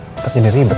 ntar jadi ribet lah